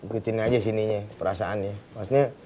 ikutin aja sininya perasaannya maksudnya